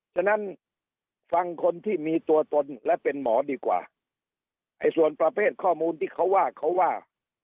ฉะนั้นฟังคนที่มีตัวตนและเป็นหมอดีกว่าไอ้ส่วนประเภทข้อมูลที่เขาว่าเขาว่า